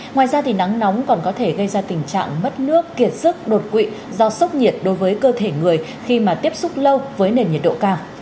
ngoài ra thì nắng nóng còn có thể gây ra tình trạng mất nước kiệt sức đột quỵ do sốc nhiệt đối với cơ thể người khi mà tiếp xúc lâu với nền nhiệt độ cao